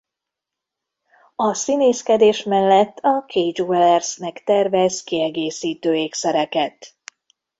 A színészkedés mellett a Kay Jewelers-nek tervez kiegészítő ékszereket.